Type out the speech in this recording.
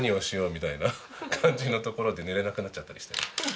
みたいな感じのところで寝れなくなっちゃったりして。